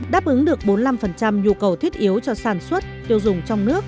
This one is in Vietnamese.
đáp ứng được bốn mươi năm nhu cầu thiết yếu cho sản xuất tiêu dùng trong nước